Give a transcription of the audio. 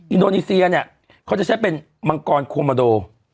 อินโดนีเซียเนี่ยเขาจะใช้เป็นมังกรโคมาโด